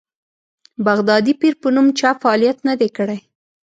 بغدادي پیر په نوم چا فعالیت نه دی کړی.